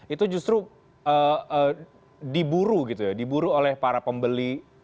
itu justru diburu gitu ya diburu oleh para pembeli